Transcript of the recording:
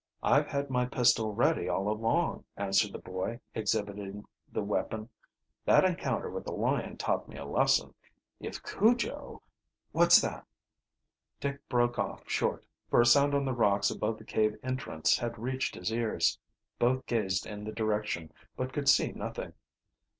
"I've had my pistol ready all along," answered the boy, exhibiting the weapon. "That encounter with the lion taught me a lesson. If Cujo What's that?" Dick broke off short, for a sound on the rocks above the cave entrance had reached his ears. Both gazed in the direction, but could see nothing.